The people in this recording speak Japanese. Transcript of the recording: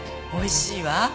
おいしいわ。